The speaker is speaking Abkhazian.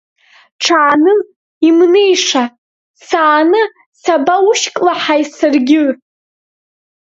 Ҽааны имнеиша, сааны сабаушьклаҳаи саргьы?